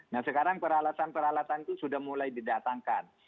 nah sekarang peralatan peralatan itu sudah mulai didatangkan